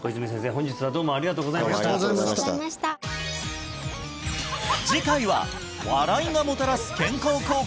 本日はどうもありがとうございましたありがとうございましたありがとうございました次回は笑いがもたらす